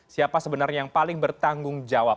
siapa sebenarnya yang paling bertanggung jawab